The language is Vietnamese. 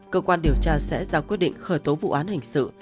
cơ quan điều tra sẽ ra quyết định khởi tố vụ án hình sự